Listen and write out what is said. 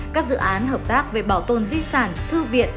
các dự án hợp tác về bảo tồn di sản thư viện